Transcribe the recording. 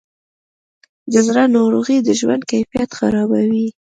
د زړه ناروغۍ د ژوند کیفیت خرابوي.